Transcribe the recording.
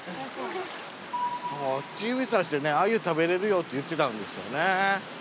あっち指さしてね「鮎食べれるよ」って言ってたんですよね。